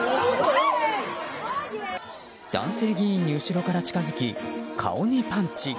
男性議員に後ろから近づき顔にパンチ。